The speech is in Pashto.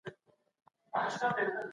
د کنر مرکزي ښار اسعدآباد دی.